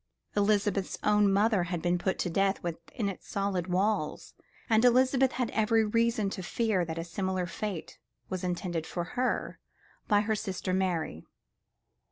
Elizabeth's own mother had been put to death within its solid walls, and Elizabeth had every reason to fear that a similar fate was intended for her by her sister Mary.